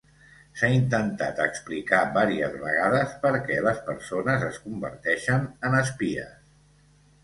S'ha intentat explicar vàries vegades per què les persones es converteixen en espies.